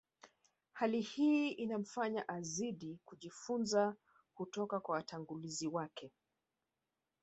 Hali hii inamfanya azidi kujifunza kutoka kwa watangulizi wake